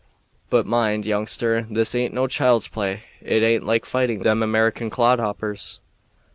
But mind, youngster, this aint no child's play; it aint like fighting them American clodhoppers.